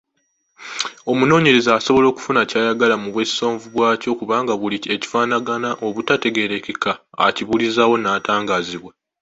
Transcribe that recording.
Omunoonyereza asobla okufuna ky’ayagala mu bwesovvu bwakyo kubanga buli ekifaanana obutategeerekeka akibuulizaawo n’atangaazibwa.